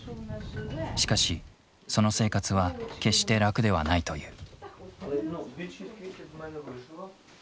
しかしその生活は決して楽ではないという。